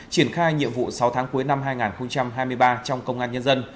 triển khai nhiệm vụ sáu tháng cuối năm hai nghìn hai mươi ba trong công an nhân dân